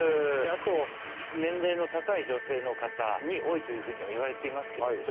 あと年齢の高い女性の方に多いというふうにはいわれていますけれども。